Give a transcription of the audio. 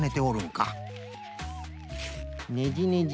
ねじねじ。